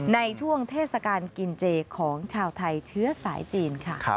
ในช่วงเทศกาลกินเจของชาวไทยเชื้อสายจีนค่ะ